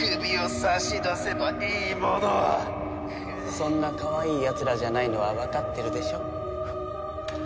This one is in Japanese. そんなかわいいやつらじゃないのはわかってるでしょ？